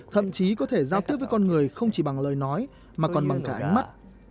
thậm chí có thể giao tiếp với con người không chỉ bằng lời nói mà còn bằng cả ánh mắt